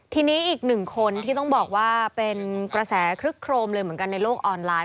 ทีนี้อีกหนึ่งคนที่ต้องบอกว่าเป็นกระแสคลึกโครมเลยเหมือนกันในโลกออนไลน์